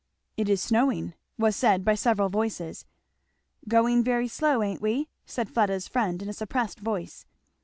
"It is snowing," was said by several voices. "Going very slow, ain't we?" said Fleda's friend in a suppressed voice.